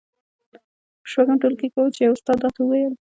په شپږم ټولګي کې وم چې يوه استاد راته وويل.